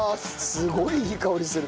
すごいいい香りする。